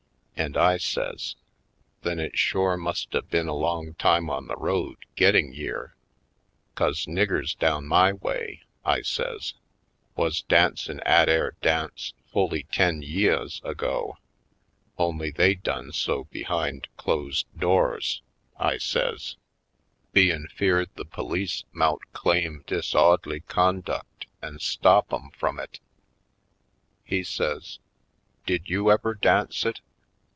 And I says : "Then it shore must a been a long time on the road, gittin' yere; 'cause niggers down my way," I says, "wuz dancin' 'at air dance fully ten yeahs ago — only they done so behind closed doors," I says, "bein' 108 /. Poindexter^ Colored 'feared the police mout claim disawd'ly conduct an' stop 'em f rum it." He says: *'Did you ever dance it?"